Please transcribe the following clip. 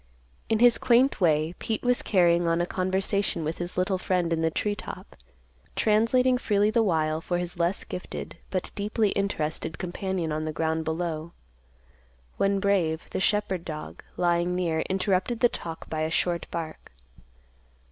In his quaint way, Pete was carrying on a conversation with his little friend in the tree top, translating freely the while for his less gifted, but deeply interested, companion on the ground below, when Brave, the shepherd dog, lying near, interrupted the talk by a short bark.